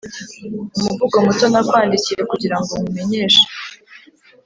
umuvugo muto nakwandikiye kugirango nkumenyeshe